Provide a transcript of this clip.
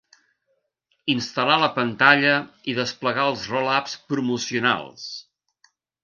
Instal·lar la pantalla i desplegar els roll-ups promocionals.